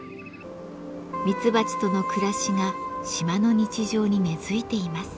ミツバチとの暮らしが島の日常に根づいています。